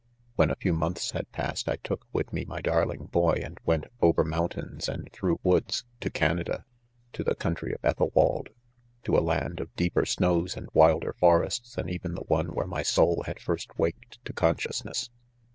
When a few months had passed, I took with me my darling boy, and went, over mountains and through woods, to Canada,— to the country of Ethel w^id ^to ■ a 'land of ' deeper. snows ■ and ; wilder forests than even the. one where my soul had first waked to consciousness.